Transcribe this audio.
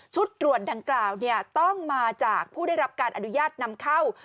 ตรวจดังกล่าวต้องมาจากผู้ได้รับการอนุญาตนำเข้า